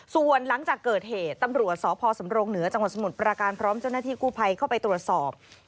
ส่วนหลังจากเกิดเหตุตำรวจสพสำรงเหนือจังหวัดสมุทรประการพร้อมเจ้าหน้าที่กู้ภัยเข้าไปตรวจสอบ